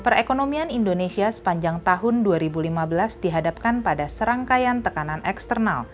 perekonomian indonesia sepanjang tahun dua ribu lima belas dihadapkan pada serangkaian tekanan eksternal